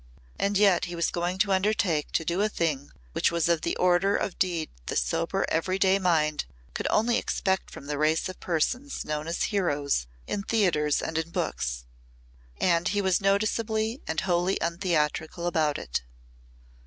And yet he was going to undertake to do a thing which was of the order of deed the sober everyday mind could only expect from the race of persons known as "heroes" in theatres and in books. And he was noticeably and wholly untheatrical about it.